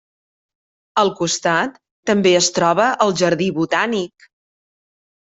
Al costat també es troba el Jardí Botànic.